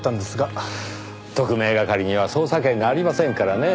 特命係には捜査権がありませんからねぇ。